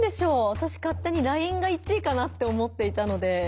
わたし勝手にＬＩＮＥが１位かなって思っていたので。